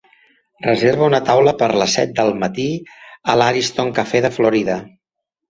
Reserva una taula per les set del matí a l'Ariston Cafe de Florida.